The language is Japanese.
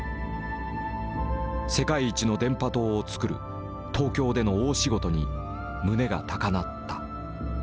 世界一の電波塔を造る東京での大仕事に胸が高鳴った。